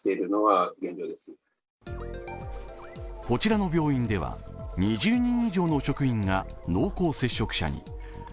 こちらの病院では２０人以上の職員が濃厚接触者に。